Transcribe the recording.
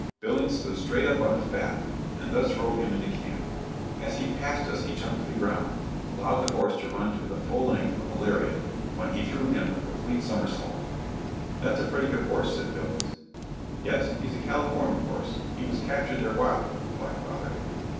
Billings stood straight up on his back, and thus rode him into camp. As he passed us he jumped to the ground, allowed the horse to run to the full length of the lariat, when he threw him a complete somersault. [Illustration: BILLINGS RIDING LITTLE GRAY.] "That's a pretty good horse," said Billings. "Yes, he's a California horse; he was captured there wild," replied father.